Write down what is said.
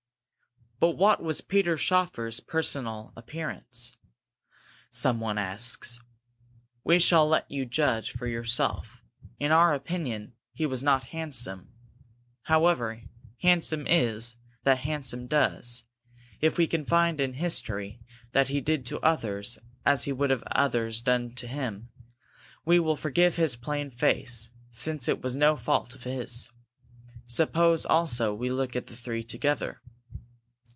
But what was Peter Schoeffer's personal appearance? some one asks. We shall let you judge for yourself, in our opinion he was not handsome. However, as "handsome is that handsome does," if we can find in history that he did to others as he would have others do to him, we will forgive his plain face, since it was no fault of his. Suppose also we look at the three together.